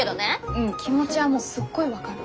うん気持ちはもうすっごい分かる。